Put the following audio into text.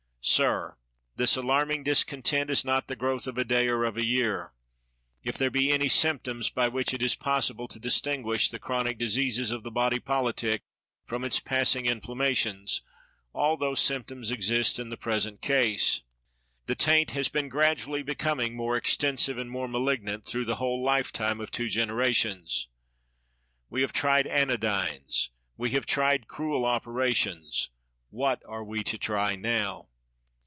Sir, this alarming discontent is not the growth of a day, or of a year. If there be any symptoms by which it is possible to distinguish the chronic diseases of the body politic from its passing in flammations, all those symptoms exist in the pres ent case. The taint has been gradually becoming more extensive and more malignant, through the whole lifetime of two generations. We have tried anodjTies. We have tried cruel operations. What are we to try now?